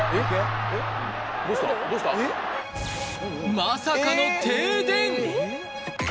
まさかの停電。